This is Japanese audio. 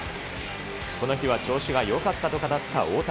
この日は調子がよかったと語った大谷。